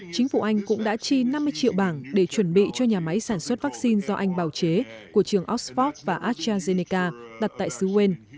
chính phủ anh cũng đã chi năm mươi triệu bảng để chuẩn bị cho nhà máy sản xuất vaccine do anh bào chế của trường oxford và astrazeneca đặt tại sư quên